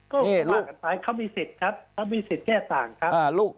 ก็ว่ากันไปเขามีสิทธิ์ครับเขามีสิทธิ์แก้ต่างครับ